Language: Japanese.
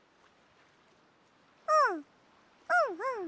うんうんうん。